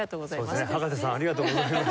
そうですね葉加瀬さんありがとうございます。